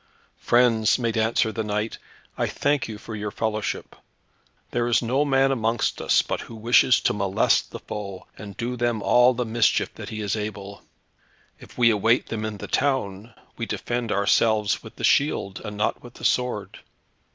"Friends," made answer the knight, "I thank you for your fellowship. There is no man amongst us but who wishes to molest the foe, and do them all the mischief that he is able. If we await them in the town, we defend ourselves with the shield, and not with the sword.